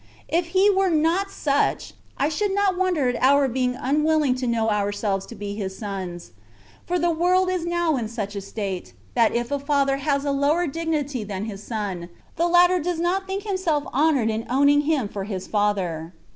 If He were not such, I should not wonder at our being unwilling to know ourselves to be His sons ; for the world is K 2 132 THE WAY OP PERFECTION. now in such a state, that if a father has a lower dignity than his son, the latter does not think him self honoured in owning him for his father.